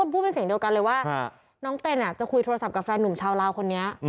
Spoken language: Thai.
พูดเป็นเสียงเดียวกันเลยว่าน้องเต้นจะคุยโทรศัพท์กับแฟนหนุ่มชาวลาวคนนี้